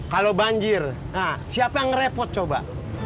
kalau banjir siapa yang repot coba